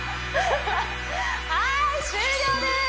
はい終了です！